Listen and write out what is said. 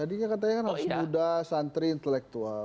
jadinya katanya kan harus muda santri intelektual